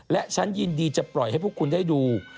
และฉันยินดีจะปล่อยให้พวกคุณได้ดู